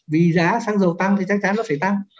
vì giá xăng dầu tăng thì chắc chắn nó phải tăng